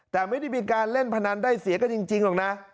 แต่ไม่ได้มีการเล่นพนันได้เสียกันจริงหรอกนะ